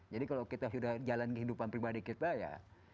jadi kalau kita sudah jalan kehidupan pribadi kita ya